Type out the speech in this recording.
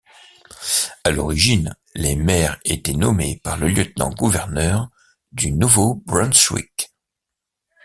À l'origine, les maires étaient nommés par le lieutenant gouverneur du Nouveau-Brunswick.